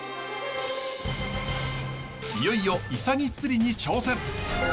いよいよイサギ釣りに挑戦。